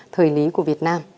thời lý của việt nam